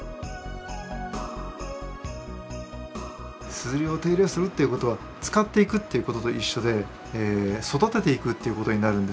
硯を手入れするっていう事は使っていくっていう事と一緒で育てていくっていう事になるんです。